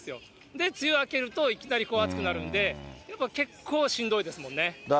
で、梅雨明けるといきなり暑くなるんで、結構、しんどいですもんね。